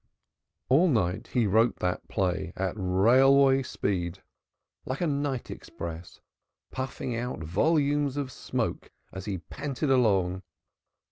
All night he wrote the play at railway speed, like a night express puffing out volumes of smoke as he panted along.